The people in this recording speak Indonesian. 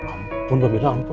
ampun mbak mirna ampun